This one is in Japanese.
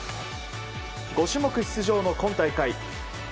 ５種目出場の今大会